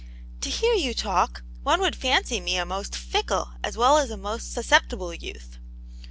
"To hear you talk, one would fancy me a most fickle as well as a most susceptible youth.